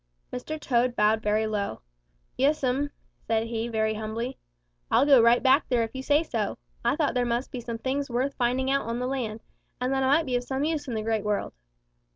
"Mr. Toad bowed very low. 'Yes'm,' said he very humbly. 'I'll go right back there if you say so. I thought there must be some things worth finding out on the land, and that I might be of some use in the Great World.'